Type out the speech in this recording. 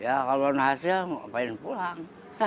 ya kalau berhasil ngapain pulang